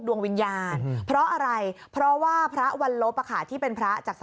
ดวงวิญญาณเพราะอะไรเพราะว่าพระวันลบที่เป็นพระจาก